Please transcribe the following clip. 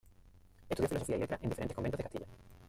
Estudió filosofía y letras en diferentes conventos de Castilla.